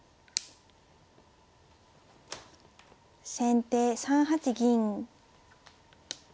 先手３八銀。